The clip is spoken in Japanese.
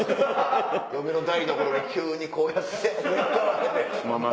嫁の台所に急にこうやって熱湯かけて。